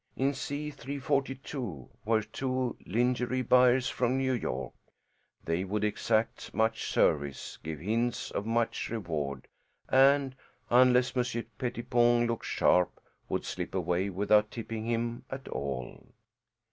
In C 342 were two lingerie buyers from New York; they would exact much service, give hints of much reward and, unless Monsieur Pettipon looked sharp, would slip away without tipping him at all.